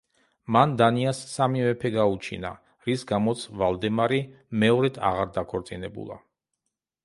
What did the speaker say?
მან დანიას სამი მეფე გაუჩინა, რის გამოც ვალდემარი მეორედ აღარ დაქორწინებულა.